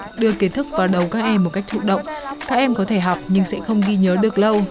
nếu chúng ta đưa kiến thức vào đầu các em một cách thụ động các em có thể học nhưng sẽ không ghi nhớ được lâu